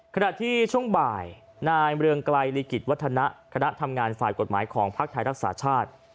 ขณะที่ช่วงบ่ายนายเมืองไกลลีกิจวัฒนะคณะทำงานฝ่ายกฎหมายของภักดิ์ไทยรักษาชาติ